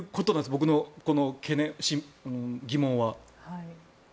僕の疑問は。